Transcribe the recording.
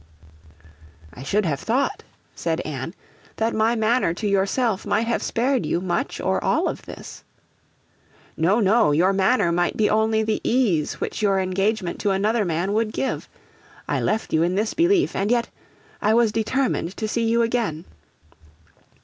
'I should have thought,' said Anne, 'that my manner to yourself might have spared you much or all of this.' 'No, no! Your manner might be only the ease which your engagement to another man would give. I left you in this belief; and yet I was determined to see you again.